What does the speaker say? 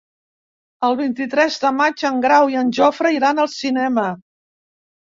El vint-i-tres de maig en Grau i en Jofre iran al cinema.